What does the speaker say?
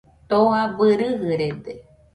Too abɨ rɨjɨrede